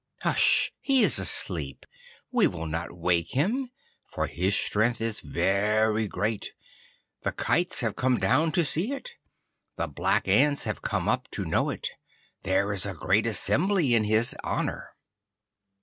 Hsh! He is asleep. We will not wake him, for his strength is very great. The kites have come down to see it. The black ants have come up to know it. There is a great assembly in his honor.